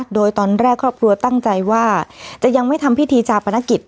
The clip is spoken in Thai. โดยตอนแรกครอบครัวตั้งใจว่าจะยังไม่ทำพิธีชาปนกิจ